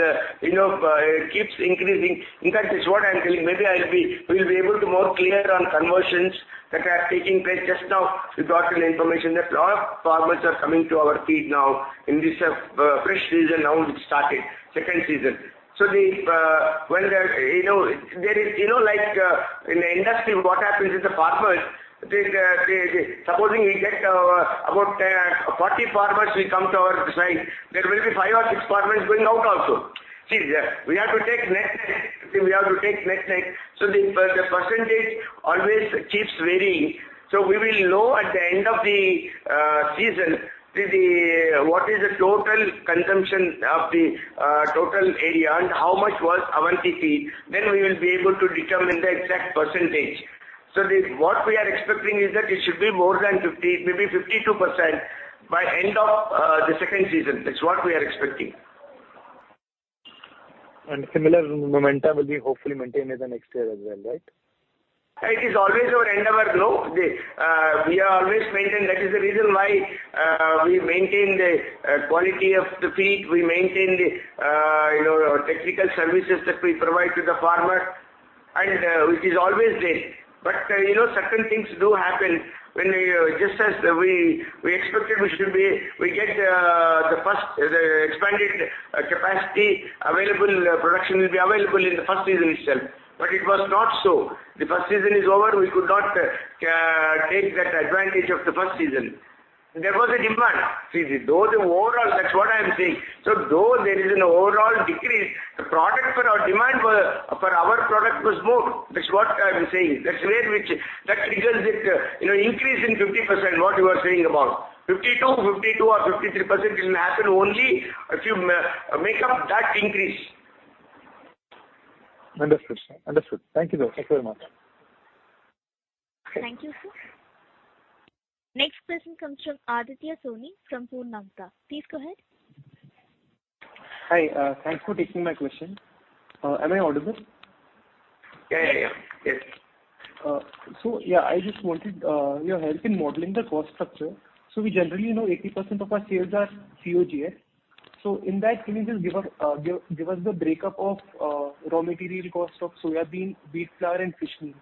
you know, keeps increasing. In fact, this what I'm telling, maybe I'll be, we'll be able more clear on conversions that are taking place. Just now, we got an information that a lot of farmers are coming to our feed now in this, fresh season, now it started, second season. So the, when the, you know, there is, you know, like, in the industry, what happens is the farmers, the, the, supposing we get, about, 40 farmers will come to our side, there will be 5 or 6 farmers going out also. See, we have to take net, we have to take net-net. So the, the percentage always keeps varying. We will know at the end of the season, what is the total consumption of the total area and how much was our TP, then we will be able to determine the exact percentage. What we are expecting is that it should be more than 50, maybe 52% by end of the second season. That's what we are expecting.
Similar momentum will be hopefully maintained in the next year as well, right?
It is always our endeavor, though. The, we are always maintained, that is the reason why, we maintain the, you know, technical services that we provide to the farmer, and, which is always there. But, you know, certain things do happen when we, just as we expected, we should be, we get, the, the first, the expanded capacity available, production will be available in the first season itself, but it was not so. The first season is over, we could not take that advantage of the first season. There was a demand. See, though the overall, that's what I am saying. So though there is an overall decrease, the product for our demand was, for our product was more. That's what I am saying. That's where that triggers it, you know, increase in 50%, what you are saying about. 52, 52 or 53% will happen only if you make up that increase.
Understood, sir. Understood. Thank you, though. Thank you very much.
Thank you, sir. Next question comes from Aditya Soni, from Purnartha. Please go ahead.
Hi, thanks for taking my question. Am I audible?
Yeah, yeah, yes.
So, yeah, I just wanted your help in modeling the cost structure. So we generally know 80% of our sales are COGS. So in that, can you just give us the breakup of raw material cost of soybean, wheat flour, and fish meal,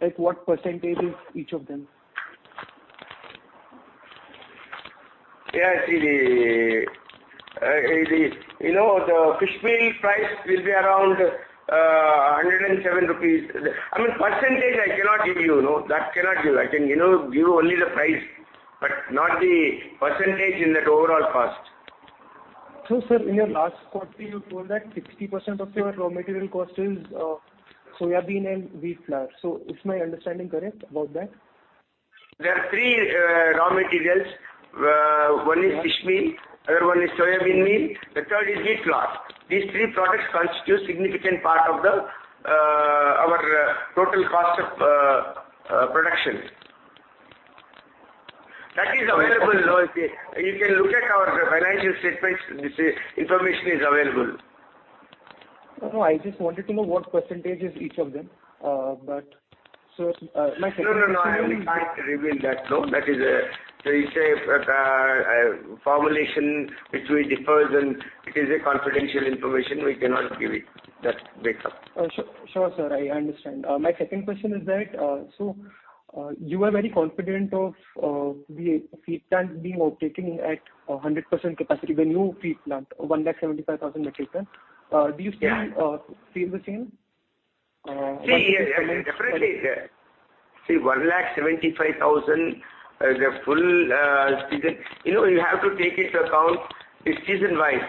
like what percentage is each of them?
Yes, the you know the Fish Meal price will be around 107 rupees. I mean, percentage, I cannot give you, no, that cannot give. I can, you know, give you only the price, but not the percentage in that overall cost....
So, sir, in your last quarter, you told that 60% of your raw material cost is soybean and wheat flour. So is my understanding correct about that?
There are three raw materials. One is Fish Meal, other one is Soybean Meal, the third is Wheat Flour. These three products constitute significant part of our total cost of production. That is available. You can look at our financial statements. This information is available.
No, I just wanted to know what percentage is each of them. But so, my second-
No, no, no, I am not going to reveal that. No, that is a, so you say, formulation, which we differs, and it is a confidential information. We cannot give it, that breakup.
Sure, sir, I understand. My second question is that, so, you are very confident of the feed plant being operating at 100% capacity, the new feed plant, 175,000 metric tons. Do you still feel the same?
See, yeah, definitely. See, 175,000, the full season. You know, you have to take into account it's season wise.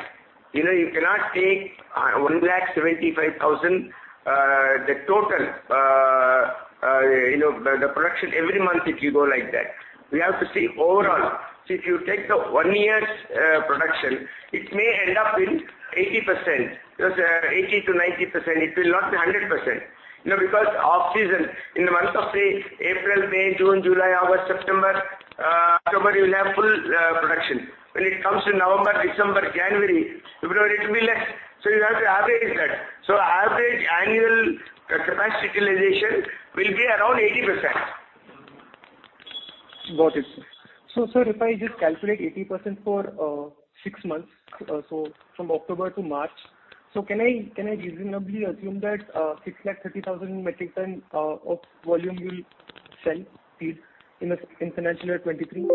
You know, you cannot take, 175,000, the total, you know, the production every month, if you go like that. We have to see overall. So if you take the one year's production, it may end up in 80%, because, 80%-90%, it will not be 100%. You know, because off-season, in the months of April, May, June, July, August, September, October, you'll have full production. When it comes to November, December, January, February, it will be less. So you have to average that. So average annual capacity utilization will be around 80%.
Got it. So, sir, if I just calculate 80% for six months, so from October to March, so can I, can I reasonably assume that 630,000 metric ton of volume you will sell feed in the, in financial year 2023?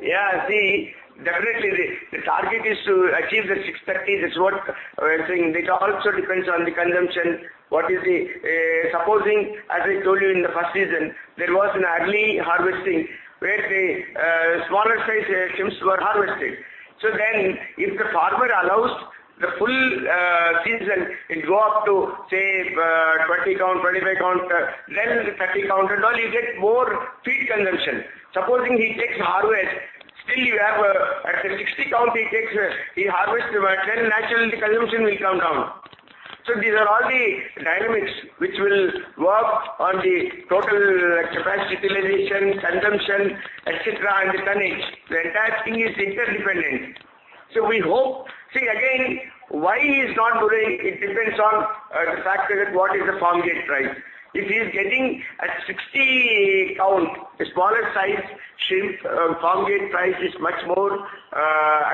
Yeah, see, definitely, the target is to achieve the 630. That's what we are saying. It also depends on the consumption. What is the, supposing, as I told you in the first season, there was an early harvesting where the smaller size shrimps were harvested. So then, if the farmer allows the full season, it go up to, say, 20 count, 25 count, then 30 count and all, you get more feed consumption. Supposing he takes harvest, still you have, at the 60 count, he takes, he harvests, then naturally, the consumption will come down. So these are all the dynamics which will work on the total capacity utilization, consumption, etc., and the tonnage. The entire thing is interdependent. So we hope. See, again, why he's not going, it depends on the factor that what is the farm gate price. If he's getting a 60 count, a smaller size shrimp, farm gate price is much more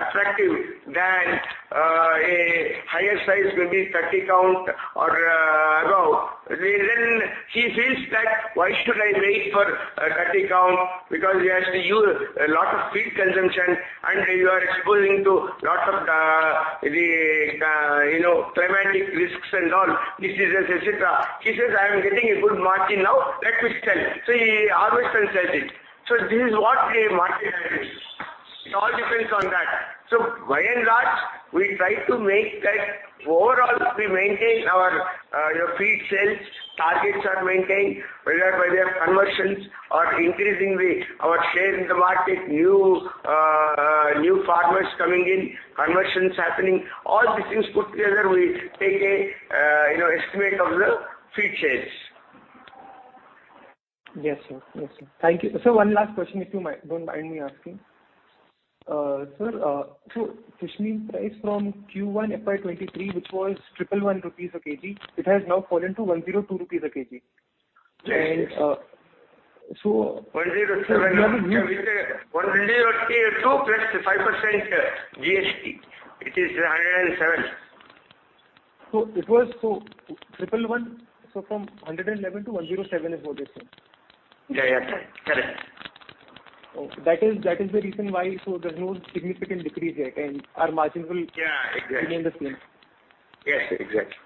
attractive than a higher size, maybe 30 count or above. Then he feels that, "Why should I wait for a 30 count?" Because he has to use a lot of feed consumption, and you are exposing to lots of the, the, you know, climatic risks and all, diseases, et cetera. He says, "I am getting a good margin now, let me sell." So he harvests and sells it. So this is what the market is. It all depends on that. So by and large, we try to make that overall we maintain our, your feed sales, targets are maintained, whether by their conversions or increasing the, our share in the market, new new farmers coming in, conversions happening. All these things put together, we take a, you know, estimate of the feed sales.
Yes, sir. Yes, sir. Thank you. Sir, one last question, if you don't mind me asking. So, fish meal price from Q1 FY23, which was 311 rupees a kg, it has now fallen to 102 rupees a kg.
Yes.
So-
107. 102 + 5% GST, it is 107.
So it was 111, so from 111 to 107 is what you're saying?
Yeah, yeah, correct.
Okay. That is, that is the reason why, so there's no significant decrease yet, and our margin will-
Yeah, exactly.
-remain the same.
Yes, exactly.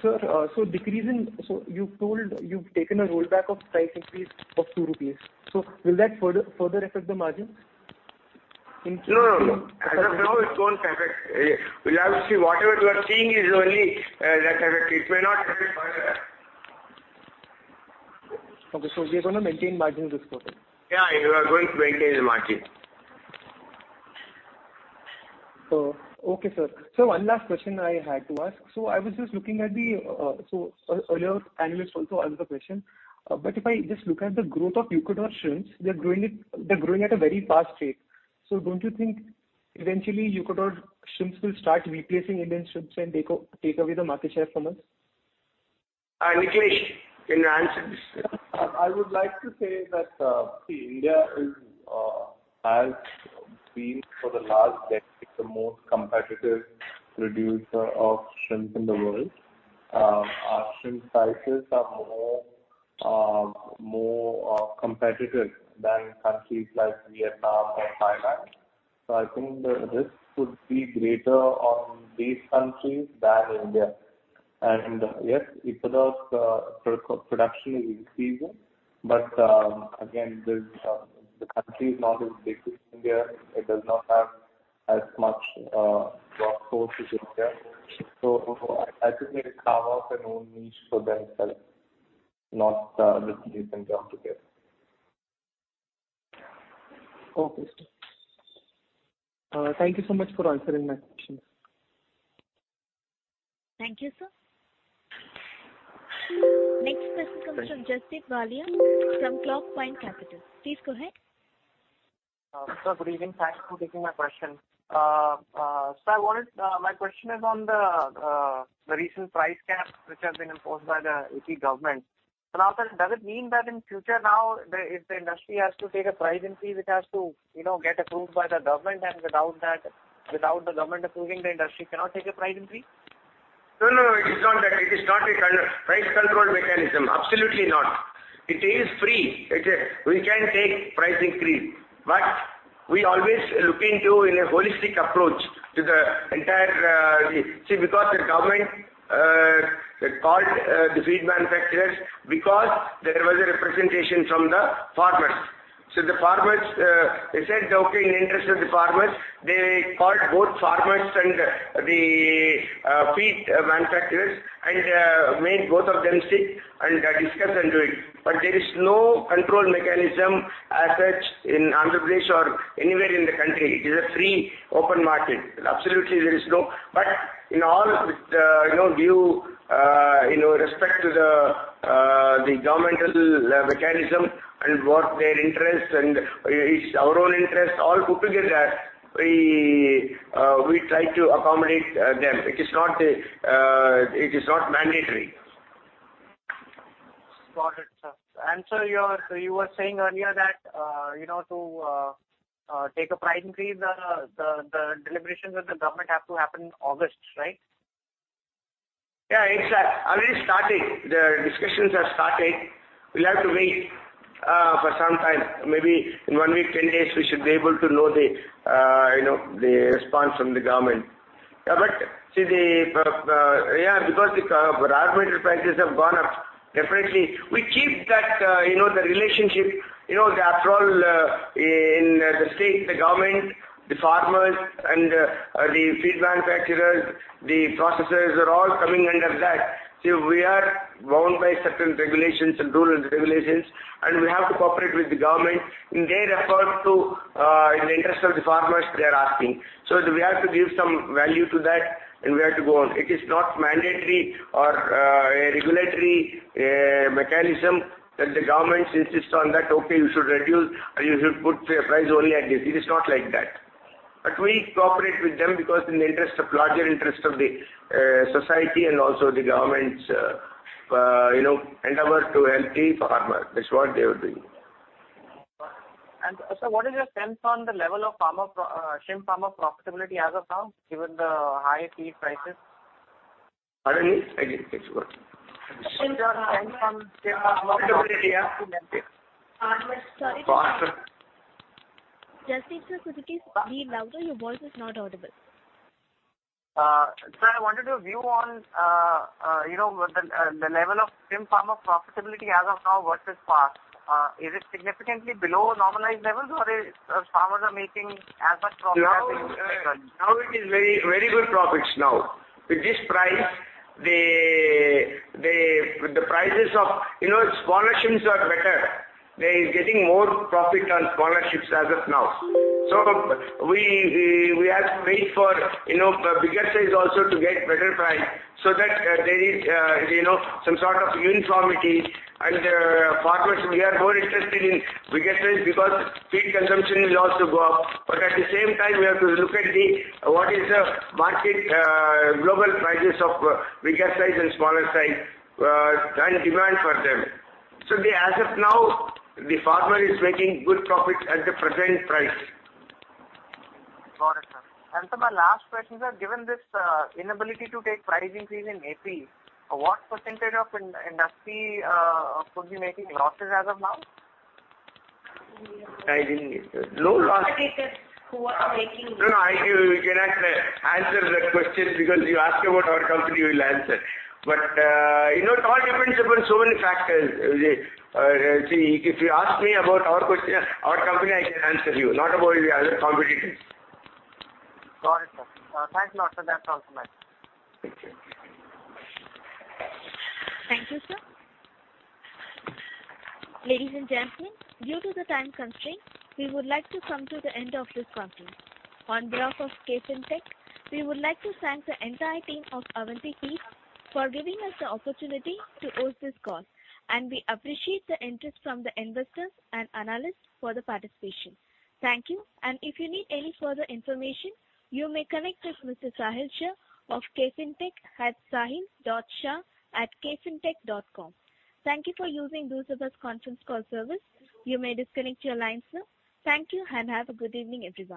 Sir, so you told you've taken a rollback of price increase of 2 rupees. So will that further affect the margin?
No, no, no. As of now, it won't affect. We'll have to see. Whatever you are seeing is only that effect. It may not affect further.
Okay, so we are going to maintain margin this quarter?
Yeah, we are going to maintain the margin.
So, okay, sir. Sir, one last question I had to ask. So I was just looking at the, so earlier analyst also asked the question, but if I just look at the growth of Ecuador shrimps, they're growing it, they're growing at a very fast rate. So don't you think eventually Ecuador shrimps will start replacing Indian shrimps and take away the market share from us?
Nikhilesh, can you answer this?
I would like to say that, see, India has been for the last decade the most competitive producer of shrimp in the world. Our shrimp prices are more competitive than countries like Vietnam or Thailand. So I think the risk could be greater on these countries than India. And yes, production is increasing, but again, the country is not as big as India. It does not have as much workforce as India. So I think they carve out their own niche for themselves, not the different altogether.
Okay, sir. Thank you so much for answering my questions.
Thank you, sir. Next question comes from Jasdeep Singh Walia from Clockvine Capital. Please go ahead.
Sir, good evening. Thanks for taking my question. So I wanted, my question is on the recent price cap, which has been imposed by the AP government. So now, sir, does it mean that in future now, the, if the industry has to take a price increase, it has to, you know, get approved by the government, and without that, without the government approving, the industry cannot take a price increase?
No, no, no, it is not that. It is not a kind of price control mechanism. Absolutely not. It is free. It is. We can take pricing increase, but we always look into in a holistic approach to the entire, because the government called the feed manufacturers, because there was a representation from the farmers. So the farmers, they said, "Okay, in the interest of the farmers," they called both farmers and the feed manufacturers, and made both of them sit and discuss and do it. But there is no control mechanism as such in Andhra Pradesh or anywhere in the country. It is a free, open market. Absolutely, there is no... But in all, with, you know, due, you know, respect to the, the governmental, mechanism and what their interests and each, our own interests all put together, we, we try to accommodate, them. It is not, it is not mandatory.
Got it, sir. And sir, you are, you were saying earlier that, you know, to take a price increase, the deliberations with the government have to happen in August, right?
Yeah, it's already starting. The discussions have started. We'll have to wait for some time. Maybe in 1 week, 10 days, we should be able to know the, you know, the response from the government. But see, yeah, because the raw material prices have gone up differently, we keep that, you know, the relationship, you know, after all, in the state, the government, the farmers, and the feed manufacturers, the processors are all coming under that. So we are bound by certain regulations and rules and regulations, and we have to cooperate with the government in their effort to, in the interest of the farmers, they are asking. So we have to give some value to that, and we have to go on. It is not mandatory or a regulatory mechanism that the government insists on that, "Okay, you should reduce, or you should put a price only at this." It is not like that. But we cooperate with them because in the interest of larger interest of the society and also the government's you know, endeavor to help the farmer. That's what they would do.
Sir, what is your sense on the level of farmer, shrimp farmer profitability as of now, given the high feed prices?
Pardon me? I didn't catch what.
Shrimp farmer profitability as of now.
Sorry, Jaspreet sir, could you speak little louder? Your voice is not audible.
Sir, I wanted your view on, you know, the level of shrimp farmer profitability as of now versus past. Is it significantly below normalized levels, or are farmers making as much profit as they would like?
Now it is very, very good profits now. With this price, the prices of, you know, smaller shrimps are better. They are getting more profit on smaller shrimps as of now. So we have to wait for, you know, the bigger size also to get better price so that there is, you know, some sort of uniformity. And farmers, we are more interested in bigger size because feed consumption will also go up. But at the same time, we have to look at what is the market global prices of bigger size and smaller size and demand for them. So as of now, the farmer is making good profit at the present price.
Got it, sir. And sir, my last question, sir: Given this, inability to take price increase in AP, what percentage of Indian industry could be making losses as of now?
No loss.
Competitors who are making-
No, no, I cannot answer that question because you ask about our company, we will answer. But, you know, it all depends upon so many factors. See, if you ask me about our question, our company, I can answer you, not about the other competitors.
Got it, sir. Thanks a lot, sir. That's all from my side.
Thank you.
Thank you, sir. Ladies and gentlemen, due to the time constraint, we would like to come to the end of this conference. On behalf of KFin Technologies Limited, we would like to thank the entire team of Avanti Feeds for giving us the opportunity to host this call, and we appreciate the interest from the investors and analysts for the participation. Thank you, and if you need any further information, you may connect with Mr. Sahil Shah of KFin Technologies Limited at sahil.shah@kfintech.com. Thank you for using this conference call service. You may disconnect your line, sir. Thank you, and have a good evening, everyone.